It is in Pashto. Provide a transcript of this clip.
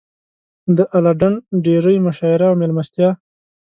د اله ډنډ ډېرۍ مشاعره او مېلمستیا.